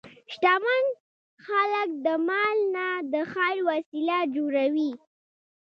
شتمن خلک د مال نه د خیر وسیله جوړوي.